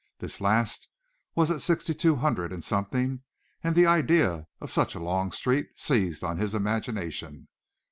This last was at sixty two hundred and something and the idea of such a long street seized on his imagination.